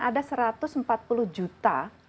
ada satu ratus empat puluh juta